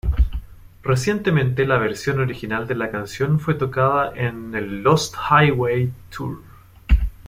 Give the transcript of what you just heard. Recientemente la versión original de la canción fue tocada en el Lost Highway Tour.